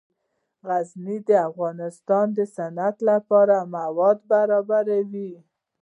غزني د افغانستان د صنعت لپاره مواد برابروي.